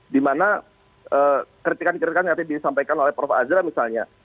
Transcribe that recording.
dimana kritikan kritikan yang tadi disampaikan oleh prof azra misalnya